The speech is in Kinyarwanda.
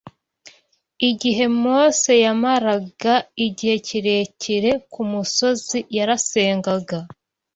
Igihe Mose yamaraga igihe kirekire ku musozi yarasengaga